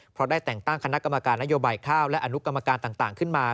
เพราะได้แต่งตั้งคณะกรรมการนโยบายข้าวและอนุกรรมการต่างขึ้นมา